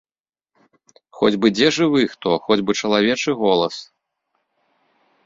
Хоць бы дзе жывы хто, хоць бы чалавечы голас!